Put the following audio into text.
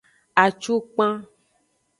Acukpan.